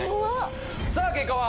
さぁ結果は？